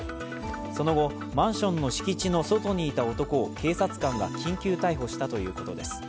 その後、マンションの敷地の外にいた男を警察官が緊急逮捕したということです。